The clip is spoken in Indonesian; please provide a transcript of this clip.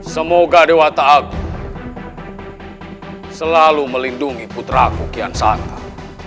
semoga dewata aku selalu melindungi putraku kianshantang